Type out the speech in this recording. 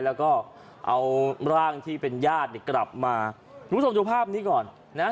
แล้วก็เอาร่างที่เป็นญาติกลับมาหนูส่งโจทย์ภาพนี้ก่อนนะครับ